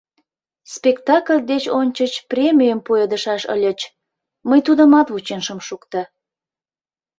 Спектакль деч ончыч премийым пуэдышаш ыльыч, мый тудымат вучен шым шукто.